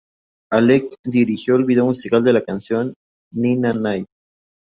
Alec dirigió el video musical de la canción "Ni Na Nay".